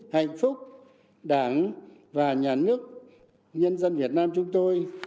hạnh phúc đảng và nhà nước nhân dân việt nam chúng tôi